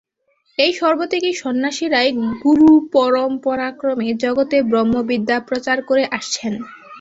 এই সর্বত্যাগী সন্ন্যাসীরাই গুরুপরম্পরাক্রমে জগতে ব্রহ্মবিদ্যা প্রচার করে আসছেন।